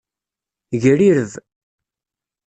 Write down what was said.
Grireb.